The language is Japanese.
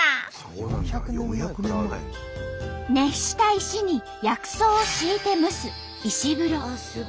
熱した石に薬草を敷いて蒸す「石風呂」。